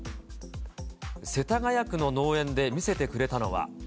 世田谷区の農園で見せてくれたのは。